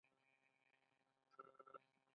لیړو خوندور کتغ دی.